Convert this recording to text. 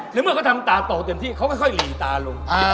หรือเมื่อเขาทำตาโตเต็มที่เขาค่อยหลีตาลง